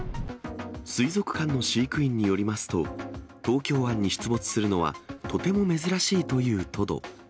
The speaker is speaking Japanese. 水族館の飼育員によりますと、東京湾に出没するのはとても珍しいというトド。